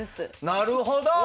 なるほど！